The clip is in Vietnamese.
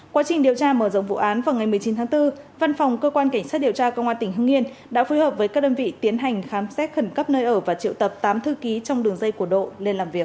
quá trình điều tra mở rộng vụ án vào ngày một mươi chín tháng bốn văn phòng cơ quan cảnh sát điều tra công an tỉnh hưng yên đã phối hợp với các đơn vị tiến hành khám xét khẩn cấp nơi ở và triệu tập tám thư ký trong đường dây của độ lên làm việc